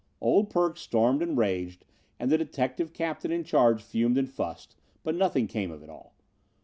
"Old Perk" stormed and raged and the detective captain in charge fumed and fussed, but nothing came of it all.